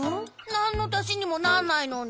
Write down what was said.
なんのたしにもなんないのに。